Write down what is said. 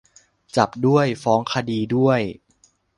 จับด้วย ฟ้องคดีด้วย